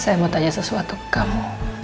saya mau tanya sesuatu kamu